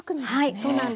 はいそうなんです。